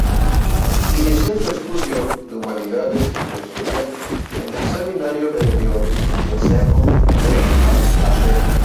Inició sus estudios de Humanidades y Filosofía en el Seminario Diocesano de Almería.